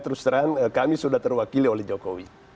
terus terang kami sudah terwakili oleh jokowi